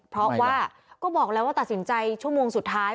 เพราะว่าก็บอกแล้วว่าตัดสินใจชั่วโมงสุดท้าย